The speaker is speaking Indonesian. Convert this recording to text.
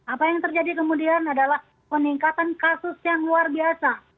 apa yang terjadi kemudian adalah peningkatan kasus yang luar biasa